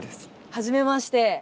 はじめまして。